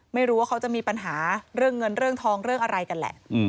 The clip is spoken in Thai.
ไม่รู้ว่าเขาจะมีปัญหาเรื่องเงินเรื่องทองเรื่องอะไรกันแหละ